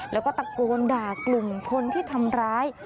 แล้วก็ตะโกนด่ากลุ่มคนที่ทำร้าย